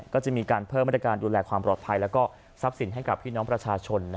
ก็จะมีการเพิ่มมาตรการดูแลความปลอดภัยและทรัพย์สินให้กับพี่น้องประชาชน